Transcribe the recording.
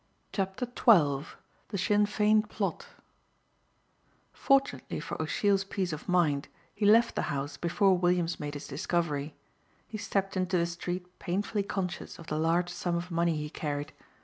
CHAPTER XII THE SINN FEIN PLOT FORTUNATELY for O'Sheill's peace of mind, he left the house before Williams made his discovery. He stepped into the street painfully conscious of the large sum of money he carried.